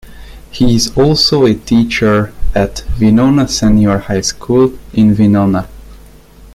He is also a teacher at Winona Senior High School in Winona.